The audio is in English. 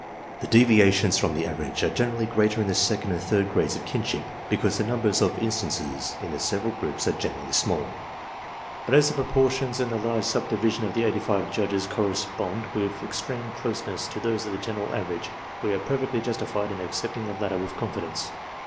The deviations from the average are naturally greater in the second and third grades of kinship, because the numbers of instances in the several groups are generally small; but as the proportions in the large subdivision of the 85 Judges correspond with extreme closeness to those of the general average, we are perfectly justified in accepting the latter with confidence.